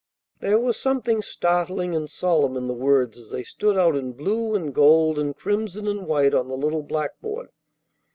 There was something startling and solemn in the words as they stood out in blue and gold and crimson and white on the little blackboard.